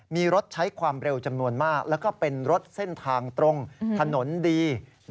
มีรถใช้ความเร็วจำนวนมากแล้วก็เป็นรถเส้นทางตรงถนนดี